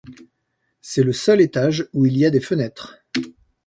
C’est le seul étage où il y a des fenêtres.